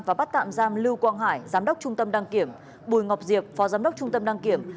và bắt tạm giam lưu quang hải giám đốc trung tâm đăng kiểm bùi ngọc diệp phó giám đốc trung tâm đăng kiểm